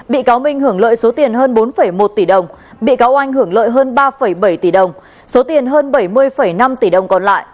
bị cáo minh hưởng lợi số tiền hơn bốn một tỷ đồng bị cáo oanh hưởng lợi hơn ba bảy tỷ đồng số tiền hơn bảy mươi năm tỷ đồng còn lại